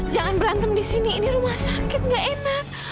jangan berantem di sini ini rumah sakit gak enak